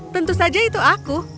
tentu saja itu aku